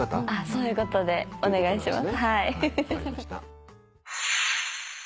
そういうことでお願いします。